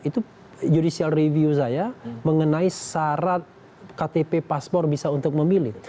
itu judicial review saya mengenai syarat ktp paspor bisa untuk memilih